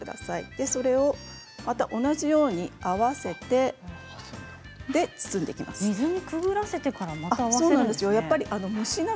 同じように合わせて水にくぐらせてからまた合わせるんですね。